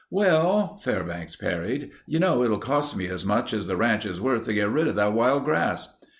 "Well," Fairbanks parried, "you know it'll cost me as much as the ranch is worth to get rid of that wild grass."